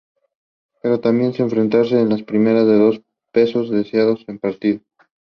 The lyrics are too basic to impress.